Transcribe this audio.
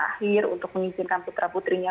akhir untuk mengizinkan putra putrinya